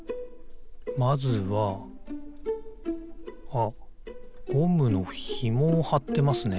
あっゴムのひもをはってますね。